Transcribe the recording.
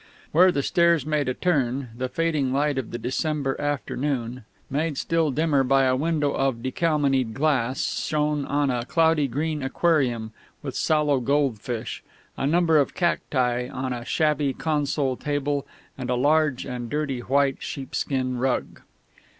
Where the stairs made a turn, the fading light of the December afternoon, made still dimmer by a window of decalcomanied glass, shone on a cloudy green aquarium with sallow goldfish, a number of cacti on a shabby console table, and a large and dirty white sheepskin rug.